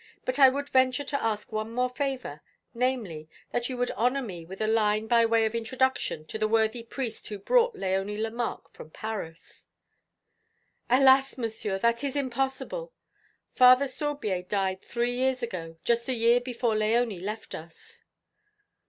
But I would venture to ask one more favour, namely, that you would honour me with a line by way of introduction to the worthy priest who brought Léonie Lemarque from Paris." "Alas, Monsieur, that is impossible! Father Sorbier died three years ago, just a year before Léonie left us."